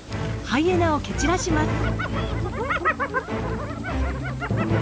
ハイエナを蹴散らします。